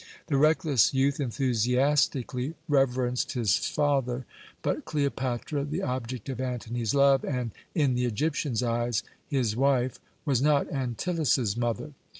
The reckless youth enthusiastically reverenced his father, but Cleopatra, the object of Antony's love, and in the Egyptians' eyes his wife, was not Antyllus's mother.